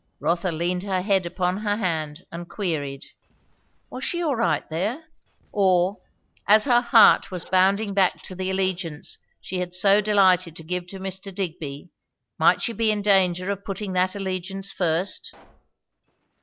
_ Rotha leaned her head upon her hand and queried. Was she all right there? Or, as her heart was bounding back to the allegiance she had so delighted to give to Mr. Digby, might she be in danger of putting that allegiance first?